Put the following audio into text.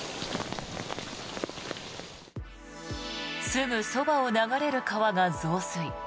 すぐそばを流れる川が増水。